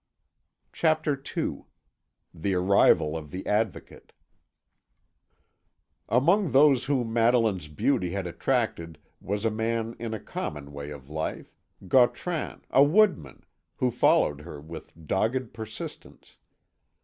CHAPTER II THE ARRIVAL OF THE ADVOCATE Among those whom Madeline's beauty had attracted was a man in a common way of life, Gautran, a woodman, who followed her with dogged persistence.